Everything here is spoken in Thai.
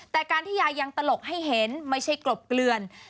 แต่การที่ยายยังตลกให้เห็นไม่ใช่กลบเกลือน